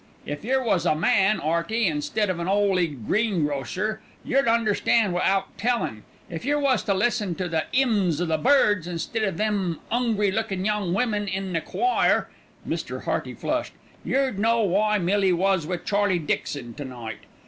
If yer was a man, 'Earty, instead of an 'oly greengrocer, yer'd understan' wi'out tellin'. If yer was to listen to the 'ymns o' the birds instead o' them 'ungry lookin' young women in the choir" (Mr. Hearty flushed) "yer'd know why Millie was wi' Charlie Dixon to night.